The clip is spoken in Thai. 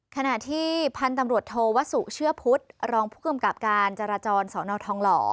ขณะที่พันธุ์ตำรวจโทวสุเชื่อพุทธรองผู้กำกับการจราจรสอนอทองหล่อ